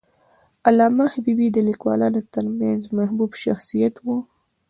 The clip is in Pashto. علامه حبیبي د لیکوالانو ترمنځ محبوب شخصیت و.